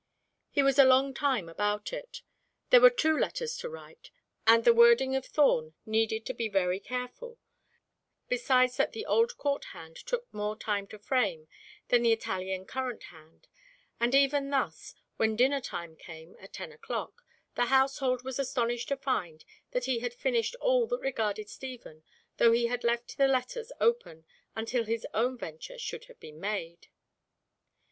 He was a long time about it. There were two letters to write, and the wording of them needed to be very careful, besides that the old court hand took more time to frame than the Italian current hand, and even thus, when dinner time came, at ten o'clock, the household was astonished to find that he had finished all that regarded Stephen, though he had left the letters open, until his own venture should have been made.